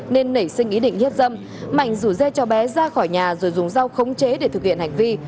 nên nảy sinh ý định hiếp dâm mạnh rủ dê cho bé ra khỏi nhà rồi dùng dao khống chế để thực hiện hành vi